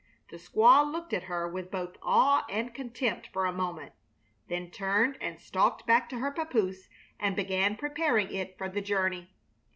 The squaw looked at her with both awe and contempt for a moment, then turned and stalked back to her papoose and began preparing it for the journey.